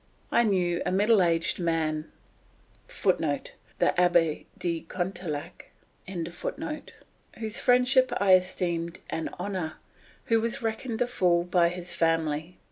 I knew a middle aged man, [Footnote: The Abbe de Condillac] whose friendship I esteemed an honour, who was reckoned a fool by his family.